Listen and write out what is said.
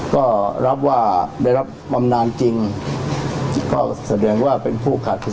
ก็รับว่าได้รับบำนานจริงก็แสดงว่าเป็นผู้ขาดทุน